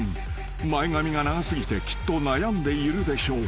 前髪が長過ぎてきっと悩んでいるでしょう］